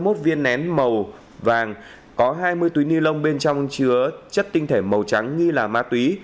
trái phép ba mươi một viên nén màu vàng có hai mươi túi ni lông bên trong chứa chất tinh thể màu trắng nghi là ma túy